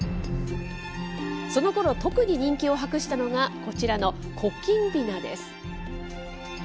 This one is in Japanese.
そのころ、特に人気を博したのが、こちらの古今びなです。